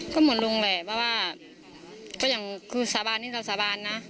ก็หมดลงแหละเพราะว่าสาบานนี่สาบานนะ